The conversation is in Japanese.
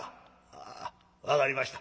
ああ分かりました。